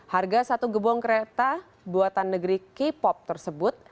harga satu gerbong kereta buatan negeri k pop tersebut